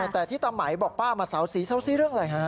แต่ที่ตาไหมบอกป้ามาเสาสีเสาสีเรื่องอะไรฮะ